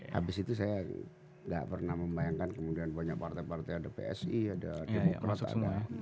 habis itu saya gak pernah membayangkan kemudian banyak partai partai ada psi ada demokrasi